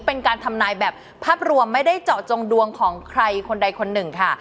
เป็นการทำนายแบบภาพรวมไม่ได้เจาะจงดวงของใครคนใดคนหนึ่งค่ะ